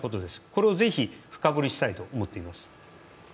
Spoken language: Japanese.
これをぜひ深掘りしたいと思っております。